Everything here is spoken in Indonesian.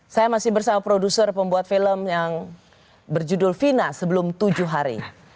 saya masih bersama produser pembuat film yang berjudul fina sebelum tujuh hari